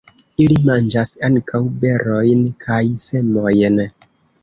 Ili manĝas ankaŭ berojn kaj semojn.